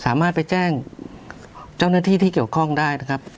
สามารถไปแจ้งเจ้าหน้าที่ที่เกี่ยวข้องได้นะครับ